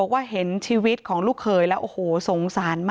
เราก็เลยต้องไปคุยกับนางสาววนิดา